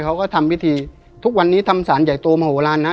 เขาก็ทำพิธีทุกวันนี้ทำสารใหญ่โตมโหลานนะ